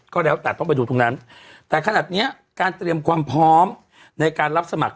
ก็แล้วแต่ต้องไปดูตรงนั้นแต่ขนาดเนี้ยการเตรียมความพร้อมในการรับสมัคร